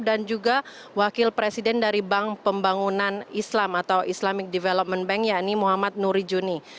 dan juga wakil presiden dari bank pembangunan islam atau islamic development bank yakni muhammad nuri juni